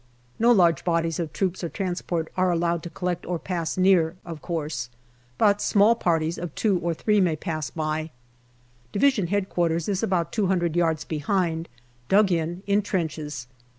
No large bodies of troops or transport are allowed to collect or pass near, of course, but small parties of two or three may pass by. D.H.Q. is about two hundred yards behind, dug in, in trenches.